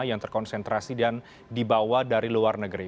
yang terkonsentrasi dan dibawa dari luar negeri